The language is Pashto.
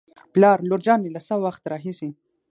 پلار : لور جانې له څه وخت راهېسې